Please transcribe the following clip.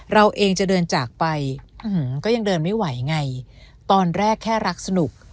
เราเองจะเดินจากไปก็ยังเดินไม่ไหวไงตอนแรกแค่รักสนุก